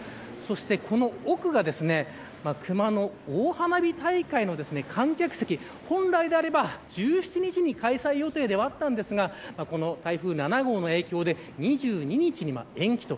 そして、この奥が熊野大花火大会の観客席本来であれば、１７日に開催予定ではあったんですが台風７号の影響で２２日に延期と。